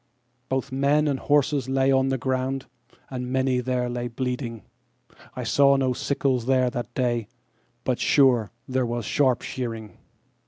Both men and horse lay on the ground, and many there lay bleeding,I saw no sickles there that day—but, sure, there was sharp shearing.